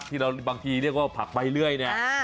บางทีเรียกว่าผักใบเลื่อยเนี่ย